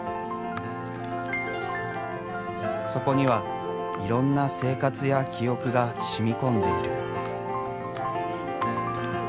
そこにはいろんな生活や記憶が染み込んでいる。